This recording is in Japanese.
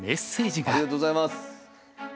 ありがとうございます。